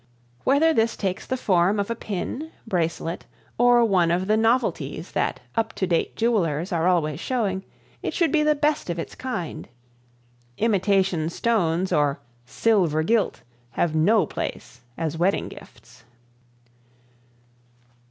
Whether this takes the form of a pin, bracelet or one of the novelties that up to date jewelers are always showing, it should be the best of its kind. Imitation stones or "silver gilt" have no place as wedding gifts.